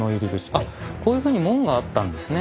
あっこういうふうに門があったんですね